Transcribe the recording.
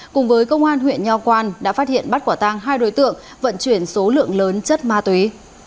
cùng với công an huyện nho quan đã phát hiện bắt quả tang hai đối tượng vận chuyển số lượng lớn chất ma túy